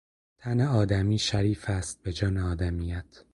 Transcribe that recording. تن آدمی شریف است به جان آدمیت